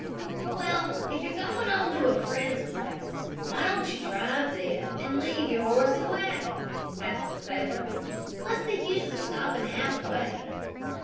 "Well, if you're going on to a friend's place, why don't you drive there and leave your horse and wagon?" asked the sailor. "What's the use of stopping half way?"